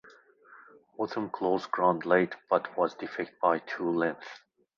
Whitmore closed ground late but was defeated by two lengths.